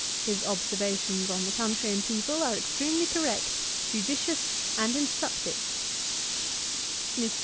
His observations on the country and people are extremely correct, judicious, and instructive.' Mr.